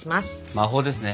魔法ですね。